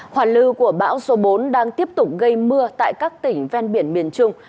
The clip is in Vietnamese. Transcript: hoàn lưu của bão số bốn đang tiếp tục gây mưa tại các tỉnh ven biển miền trung